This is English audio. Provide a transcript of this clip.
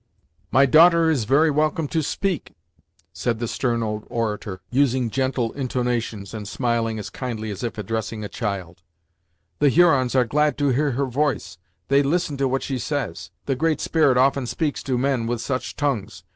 "My daughter is very welcome to speak," said the stern old orator, using gentle intonations and smiling as kindly as if addressing a child "The Hurons are glad to hear her voice; they listen to what she says. The Great Spirit often speaks to men with such tongues.